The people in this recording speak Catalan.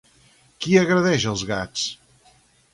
Qui agredeix els gats?